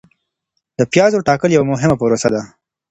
د پیازو ټاکل یوه مهمه پروسه ده.